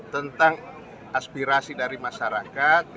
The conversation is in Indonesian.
tentang aspirasi dari masyarakat